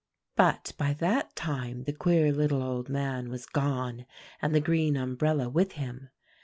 ] "But by that time the queer little old man was gone, and the green umbrella with him.